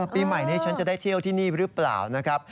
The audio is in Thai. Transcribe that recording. ปีใหม่นี้ฉันจะได้เที่ยวที่นี่หรือเปล่านะครับ